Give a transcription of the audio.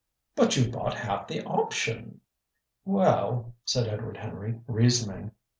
"But you bought half the option!" "Well," said Edward Henry, reasoning.